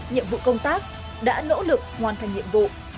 nhiệm vụ công tác đã nỗ lực hoàn thành nhiệm vụ